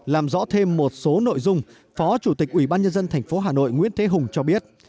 làm rõ thêm một số nội dung phó chủ tịch ubnd tp hà nội nguyễn thế hùng cho biết